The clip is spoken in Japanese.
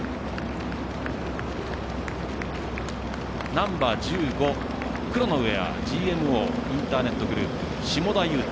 ナンバー１５、黒のウェアＧＭＯインターネットグループ下田裕太。